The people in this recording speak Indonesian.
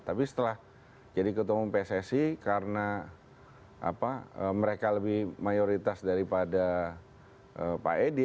tapi setelah jadi ketua umum pssi karena mereka lebih mayoritas daripada pak edi